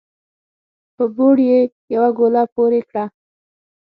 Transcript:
په بوړ يې يوه ګوله پورې کړه